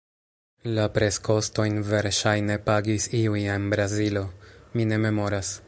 La preskostojn verŝajne pagis iuj en Brazilo – mi ne memoras.